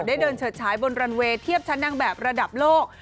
เดินเฉิดฉายบนรันเวย์เทียบชั้นนางแบบระดับโลก